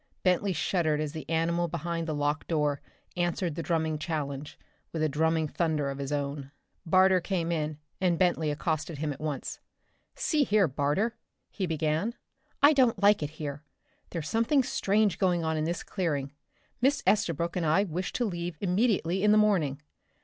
Bentley shuddered as the animal behind the locked door answered the drumming challenge with a drumming thunder of his own. Barter came in, and Bentley accosted him at once. "See here, Barter," he began. "I don't like it here. There's something strange going on in this clearing. Miss Estabrook and I wish to leave immediately in the morning!